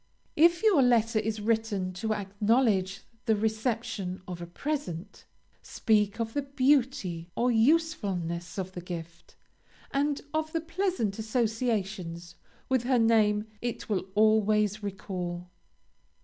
If your letter is written to acknowledge the reception of a present, speak of the beauty or usefulness of the gift, and of the pleasant associations with her name it will always recall.